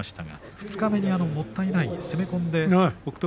二日目にもったいない攻め込んで北勝